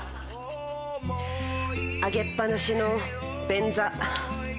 上げっ放しの便座。